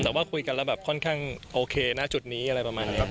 แต่ว่าคุยกันแล้วแบบค่อนข้างโอเคนะจุดนี้อะไรประมาณนี้ครับ